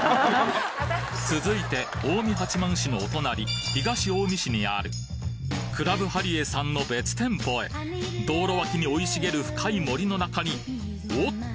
続いて近江八幡市のお隣東近江市にあるクラブハリエさんの別店舗へ道路脇に生い茂る深い森の中におおっと！